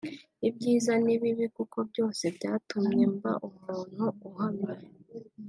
ibyiza n’ibibi kuko byose byatumye mba umuntu uhamye